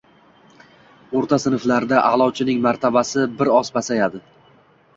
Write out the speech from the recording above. O‘rta sinflarda aʼlochining martabasi bir oz pasayadi.